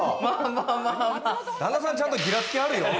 旦那さん、ちゃんとギラつきあるよ。